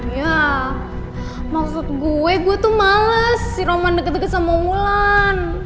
ya maksud gue gue tuh males si roman deket deket sama mulan